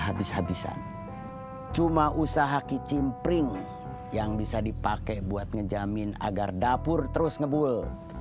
habis habisan cuma usaha kicimpring yang bisa dipakai buat ngejamin agar dapur terus ngebul